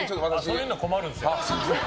そういうの困るんですよ。